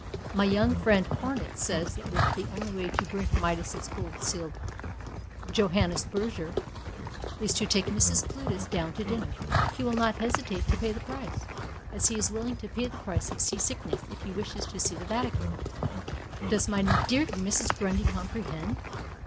My young friend Hornet says that if the only way to drink Midas's gold seal Johannisberger is to take Mrs. Plutus down to dinner, he will not hesitate to pay the price, as he is willing to pay the price of sea sickness if he wishes to see the Vatican. Does my dear Mrs. Grundy comprehend?"